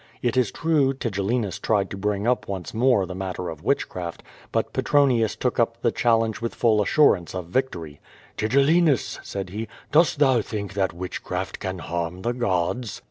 It is true, Tigellinus tried to bring up once more the matter of witchcraft, but Petronius took up the challenge with full assurance of victory. "Tigellinus," said he, "dost thou think that witchcraft can harm the gods?"